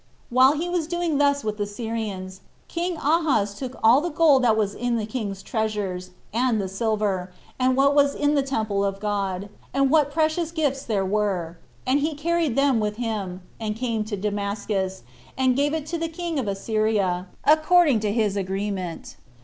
While he was doing thus with the Syrians, king Ahaz took all the gold that was in the king's treasures, and the silver, and what was in the temple of God, and what precious gifts were there, and he carried them with him, and came to Damascus, and gave it to the king of Assyria, according to his agreement.